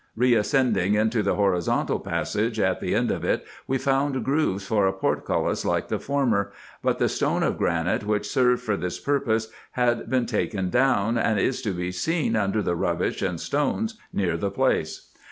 Keascending into the horizontal passage, at the end of it we found grooves for a portcullis like the former ; but the stone of granite which served for this purpose had been taken down, and is to be seen under the rubbish and stones near the place.